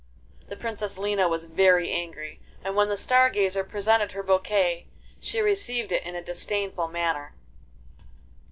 The Princess Lina was very angry, and when the Star Gazer presented her bouquet, she received it in a disdainful manner.